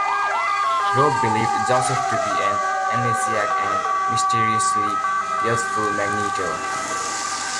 Rogue believed Joseph to be an amnesiac and mysteriously youthful Magneto.